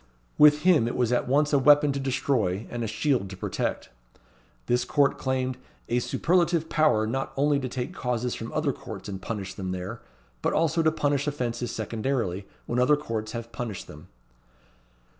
With him it was at once a weapon to destroy, and a shield to protect. This court claimed "a superlative power not only to take causes from other courts and punish them there, but also to punish offences secondarily, when other courts have punished them."